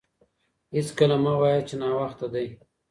هېڅکله مه وايه چي ناوخته دی.